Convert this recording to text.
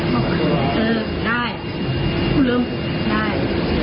บอกเออได้พูดเริ่มได้